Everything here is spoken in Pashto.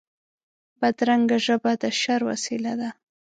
بدرنګه ژبه د شر وسیله ده